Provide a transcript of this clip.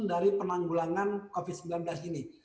dari penanggulangan covid sembilan belas ini